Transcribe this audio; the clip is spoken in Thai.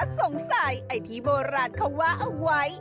สงสัยไอ้ที่โบราณเขาว่าเอาไว้